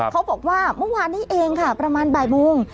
เขาบอกว่าเมื่อวานนี้เองค่ะประมาณบ่ายโมง